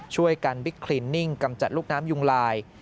ช่วยกันบิ๊กคลินนิ่งกำจัดลูกน้ำยุงลาย